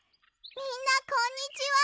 みんなこんにちは！